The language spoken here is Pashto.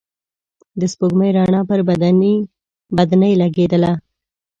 د سپوږمۍ رڼا پر بدنې لګېدله.